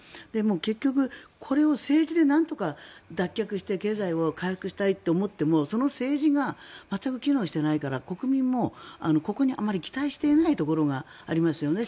結局、これを政治でなんとか脱却して経済を回復したいと思ってもその政治が全く機能していないから国民もここにあまり期待していないところがありますよね。